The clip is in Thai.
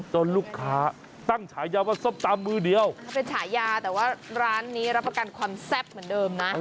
ลูกค้าตั้งฉายาว่าส้มตำมือเดียวเป็นฉายาแต่ว่าร้านนี้รับประกันความแซ่บเหมือนเดิมนะ